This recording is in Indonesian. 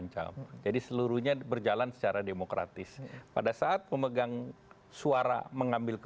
jadi itu tidak ada tidak ada ganti mengganti